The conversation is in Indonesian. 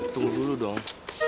tunggu dulu dong